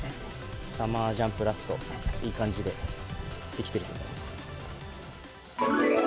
サマージャンプラスト、いい感じでできてると思います。